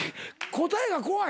「答えが怖い」